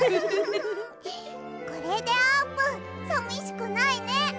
これであーぷんさみしくないね！